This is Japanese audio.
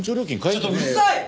ちょっとうるさい！